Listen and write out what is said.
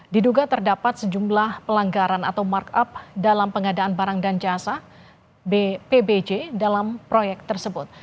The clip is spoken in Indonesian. diduga terdapat sejumlah pelanggaran atau markup dalam pengadaan barang dan jasa bpbj dalam proyek tersebut